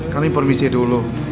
kami provisi dulu